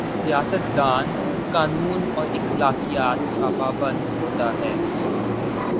سیاست دان قانون اور اخلاقیات کا پابند ہو تا ہے۔